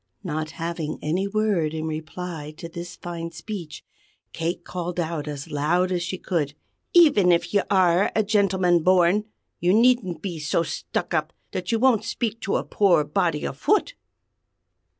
Not having any word in reply to this fine speech, Kate called out as loud as she could: "Even if you are a gentleman born, you needn't be so stuck up that you won't speak to a poor body afoot!"